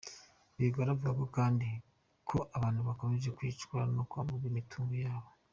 Rwigara avuga kandi ko abantu bakomeje kwicwa no kwamburwa imitungo yabo.